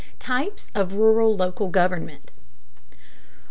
TYPES OF RURAL LOCAL GOVERNMENT.